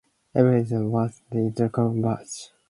Eventually he was overcome and fell covered with wounds.